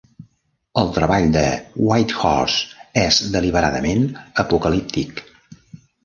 El treball de Whitehorse és deliberadament apocalíptic.